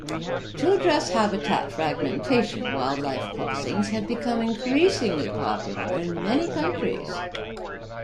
To address habitat fragmentation, wildlife crossings have become increasingly popular in many countries.